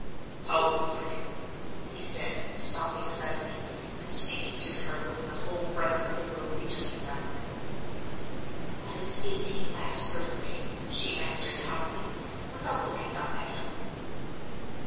"How old are you?" he said, stopping suddenly, and speaking to her with the whole breadth of the room between them. "I was eighteen last birthday," she answered, humbly, without looking up at him.